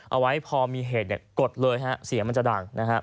เอาไว้พอมีเหตุกดเลยฮะเสียงมันจะดังนะฮะ